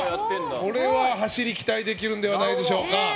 これは走りに期待できるんじゃないでしょうか。